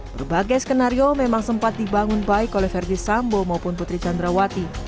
berbagai skenario memang sempat dibangun baik oleh verdi sambo maupun putri candrawati